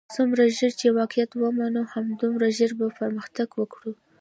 څومره ژر چې واقعیت ومنو همدومره ژر بۀ پرمختګ وکړو.